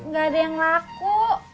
gak ada yang laku